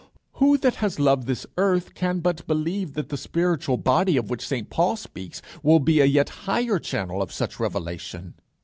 Who that has loved this earth can but believe that the spiritual body of which St Paul speaks will be a yet higher channel of such revelation?